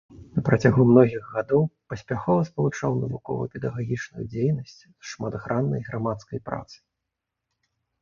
На працягу многіх гадоў паспяхова спалучаў навукова-педагагічную дзейнасць з шматграннай грамадскай працай.